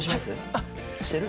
あっしてる？